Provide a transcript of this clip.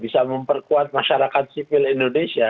bisa memperkuat masyarakat sipil indonesia